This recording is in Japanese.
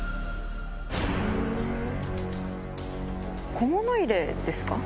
小物入れですか？